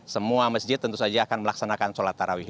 semua masjid tentu saja akan melaksanakan sholat tarawih